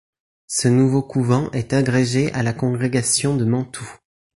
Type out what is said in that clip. Ce nouveau couvent est agrégé à la Congrégation de Mantoue.